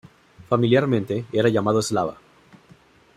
Familiarmente, era llamado "Slava".